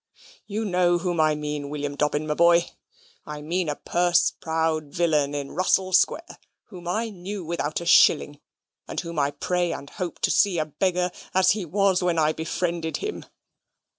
You know whom I mean, William Dobbin, my boy. I mean a purse proud villain in Russell Square, whom I knew without a shilling, and whom I pray and hope to see a beggar as he was when I befriended him."